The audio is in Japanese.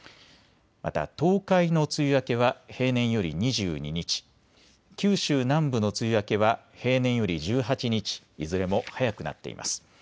また東海の梅雨明けは平年より２２日、九州南部の梅雨明けは平年より１８日いずれも早くなっています。